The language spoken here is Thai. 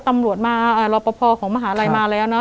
ตำรวจมารอปภของมหาลัยมาแล้วเนอ